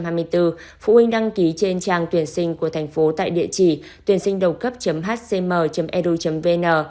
phụ huynh đăng ký trên trang tuyển sinh của thành phố tại địa chỉ tuyển sinh đầu cấp hcm edu vn